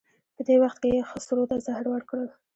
په دې وخت کې یې خسرو ته زهر ورکړل.